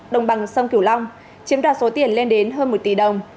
đồng bằng sông cửu long chiếm đoạt số tiền lên đến hơn một tỷ đồng